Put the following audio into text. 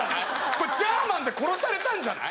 これジャーマンで殺されたんじゃない？